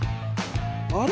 あれ？